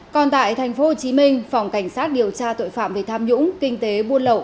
còn tại thành phố hồ chí minh phòng cảnh sát điều tra tội phạm về tham nhũng kinh tế buôn lậu